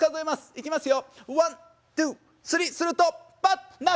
いきますよ！